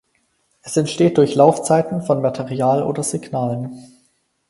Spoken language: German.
Es entsteht durch Laufzeiten von Material oder Signalen.